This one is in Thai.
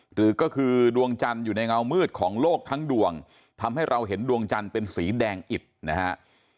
หรือก็คือดวงจันทร์อยู่ในเงามืดของโลกทั้งดวงทำให้เราเห็นดวงจันทร์เป็นสีแดงอิดนะฮะ